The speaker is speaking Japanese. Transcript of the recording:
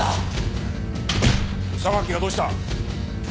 榊がどうした！？